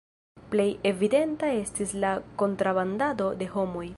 Plej evidenta estis la kontrabandado de homoj.